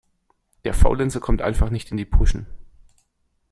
Der Faulenzer kommt einfach nicht in die Puschen.